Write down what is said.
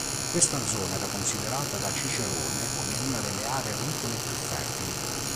Questa zona era considerata da Cicerone come una delle aree agricole più fertili.